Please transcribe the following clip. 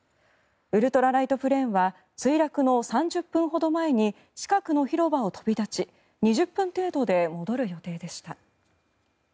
ウルトラライトプレーンは墜落の３０分ほど前に近くの広場を飛び立ち２０分程度で戻る予定でした。